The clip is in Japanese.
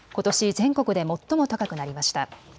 全国で最も高くなりました。